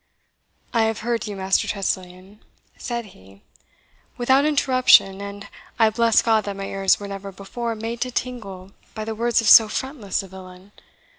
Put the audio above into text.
"I have heard you, Master Tressilian," said he, "without interruption, and I bless God that my ears were never before made to tingle by the words of so frontless a villain.